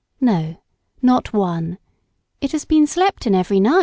No, not one. "It has been slept in every night."